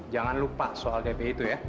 jangan lupa soal db itu ya